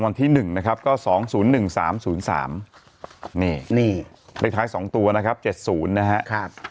วันที่๑นะครับก็๒๐๑๓๐๓นี่นี่เลขท้าย๒ตัวนะครับ๗๐นะครับ